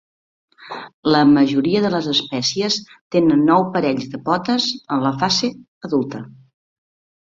La majoria de les espècies tenen nou parells de potes en la fase adulta.